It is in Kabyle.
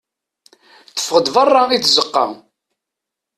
Teffeɣ-d berra i tzeqqa.